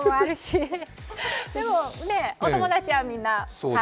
でもお友達はみんな。